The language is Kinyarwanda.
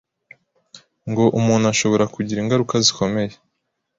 ngo umuntu ashobora kugira ingaruka zikomeye